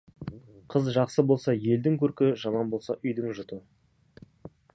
Қыз жақсы болса, елдің көркі, жаман болса, үйдің жұты.